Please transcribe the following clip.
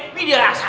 ini dia rasa